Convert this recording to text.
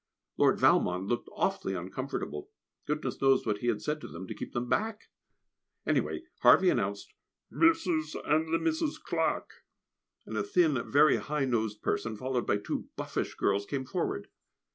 Lord Valmond looked awfully uncomfortable. Goodness knows what he had said to them to keep them back! Anyway, Harvey announced "Mrs. and the Misses Clarke," and a thin, very high nosed person, followed by two buffish girls, came forward.